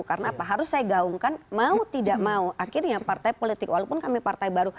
karena apa harus saya gaungkan mau tidak mau akhirnya partai politik walaupun kami partai baru